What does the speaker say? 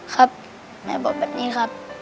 ครับแม่บอกแบบนี้ครับ